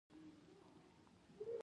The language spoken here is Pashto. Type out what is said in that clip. ایا ستاسو خوب به ریښتیا وي؟